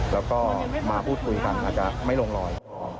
แล้วก็มาพูดคุยกันอาจจะไม่ลงรอย